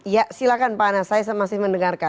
ya silahkan pak anas saya masih mendengarkan